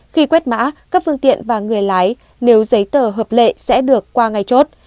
khi quét mã các phương tiện và người lái nếu giấy tờ hợp lệ sẽ được qua ngay chốt